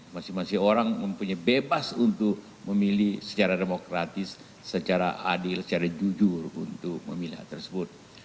masing masing orang mempunyai bebas untuk memilih secara demokratis secara adil secara jujur untuk memilih tersebut